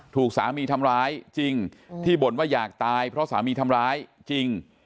ถูกสามีทำร้ายจริงที่บ่นว่าอยากตายเพราะสามีทำร้ายจริง